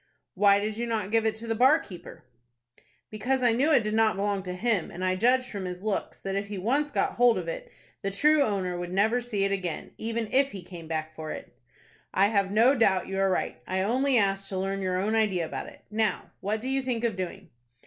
"Why did you not give it to the bar keeper?" "Because I knew it did not belong to him, and I judged from his looks that, if he once got hold of it, the true owner would never see it again, even if he came back for it." "I have no doubt you are right. I only asked to learn your own idea about it. Now, what do you think of doing?"